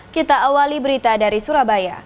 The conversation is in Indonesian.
kita awali berita dari surabaya